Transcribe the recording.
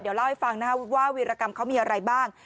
เดี๋ยวเล่าให้ฟังว่าวิรกรรมของเขามีอะไรบ้าง